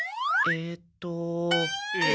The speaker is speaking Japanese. えっと？